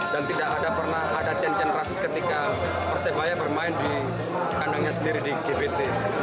dan tidak ada perna ada cend cend rasis ketika persebaya bermain di tandangnya sendiri di gbt